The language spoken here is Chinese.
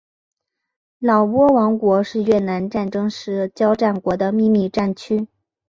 老挝王国是越南战争时交战国的秘密战区。